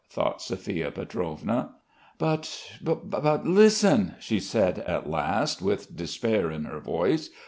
thought Sophia Pietrovna. "But ... But listen," she said at last with despair in her voice.